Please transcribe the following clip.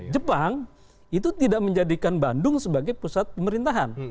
jepang itu tidak menjadikan bandung sebagai pusat pemerintahan